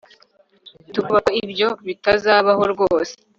Mfite ubwoba ko ibyo bitazabaho rwose